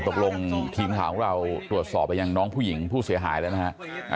ตกลงทีมข่าวของเราตรวจสอบไปยังน้องผู้หญิงผู้เสียหายแล้วนะฮะ